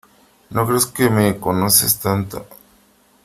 no creas que me conoces tanto .